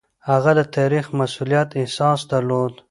هغه د تاريخي مسووليت احساس درلود.